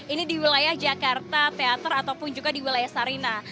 ini di wilayah jakarta teater ataupun juga di wilayah sarina